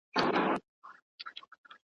چي لري د ربابونو دوکانونه `